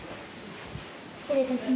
失礼いたします。